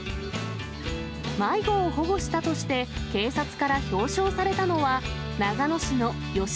迷子を保護したとして警察から表彰されたのは、長野市の吉